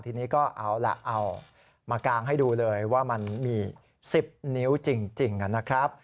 ทีนี้ก็เอาล่ะเอามากางให้ดูเลยว่ามันมี๑๐นิ้วจริงนะครับ